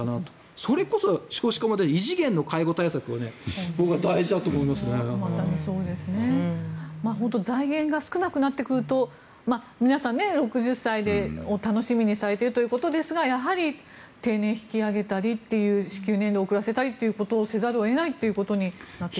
それこそ少子化まで異次元の介護対策財源が少なくなってくると皆さん、６０歳を楽しみにされているということですがやはり定年引き上げたりという支給年齢を遅らせたりということをせざるを得ないということになってくるんでしょうか。